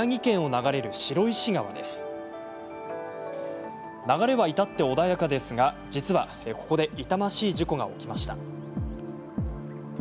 流れは至って穏やかですが実は、ここで痛ましい事故が起きました。